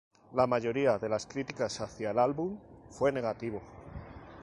La mayoría de las críticas hacia el álbum fue Negativo.